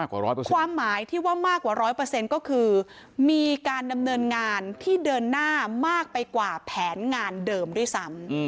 ความหมายที่ว่ามากกว่า๑๐๐ก็คือมีการดำเนินงานที่เดินหน้ามากไปกว่าแผนงานเดิมด้วยซ้ำ